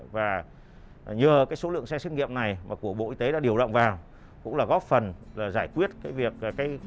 và nhờ cái số lượng xe xét nghiệm này mà của bộ y tế đã điều động vào cũng là góp phần là giải quyết cái việc